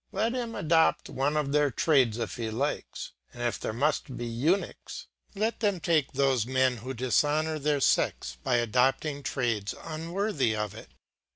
Let him adopt one of their trades if he likes; and if there must be eunuchs let them take those men who dishonour their sex by adopting trades unworthy of it.